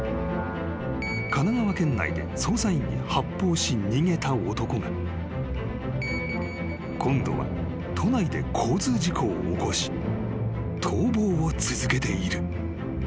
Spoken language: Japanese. ［神奈川県内で捜査員に発砲し逃げた男が今度は都内で交通事故を起こし逃亡を続けている］